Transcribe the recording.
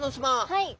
はい。